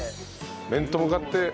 面と向かって。